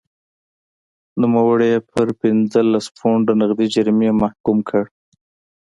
نوموړی یې پر پنځلس پونډه نغدي جریمې محکوم کړ.